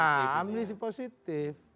nah ambisi positif